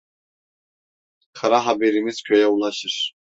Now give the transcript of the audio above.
Kara haberimiz köye ulaşır.